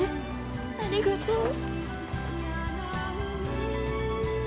ありがとう。